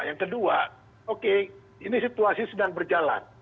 yang kedua oke ini situasi sedang berjalan